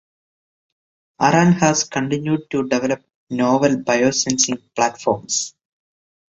Aran has continued to develop novel biosensing platforms.